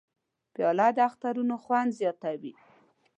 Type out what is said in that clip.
پیاله د اخترونو خوند زیاتوي.